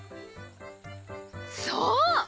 そう！